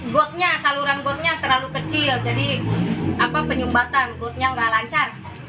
gotnya saluran godnya terlalu kecil jadi penyumbatan gotnya nggak lancar